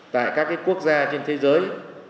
tại các quốc gia trên thế giới